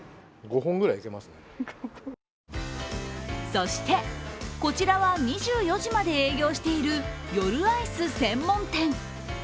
そして、こちらは２４時まで営業している夜アイス専門店。